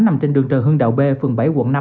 nằm trên đường trần hương đạo b phường bảy quận năm